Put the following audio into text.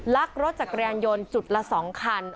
ลักรถจักรยานยนต์จุดละ๒คัน